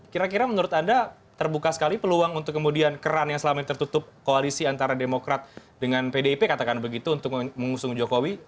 kira kira menurut anda terbuka sekali peluang untuk kemudian keran yang selama ini tertutup koalisi antara demokrat dengan pdip katakan begitu untuk mengusung jokowi